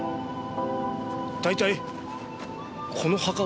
大体この墓は？